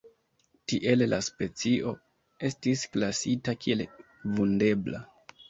Tiele la specio estis klasita kiel vundebla.